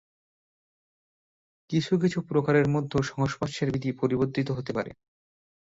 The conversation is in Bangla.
কিছু কিছু প্রকারের মধ্যে সংস্পর্শের বিধি পরিবর্ধিত হতে পারে।